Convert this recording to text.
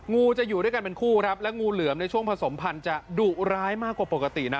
งูจะอยู่ด้วยกันเป็นคู่ครับแล้วงูเหลือมในช่วงผสมพันธุ์จะดุร้ายมากกว่าปกตินะ